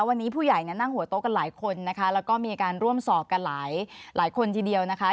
วันนี้ผู้ใหญ่เนี่ยนั่งหัวโต๊ะกันหลายคนนะคะแล้วก็มีการร่วมสอบกันหลายคนทีเดียวนะคะ